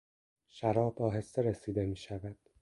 شراب آهسته رسیده میشود.